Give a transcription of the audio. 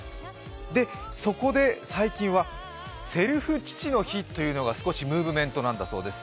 で、そこで最近は、セルフ父の日というのが少しムーブメントなんだそうです。